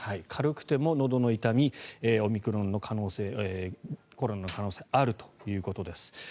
軽くても、のどの痛みコロナの可能性があるということです。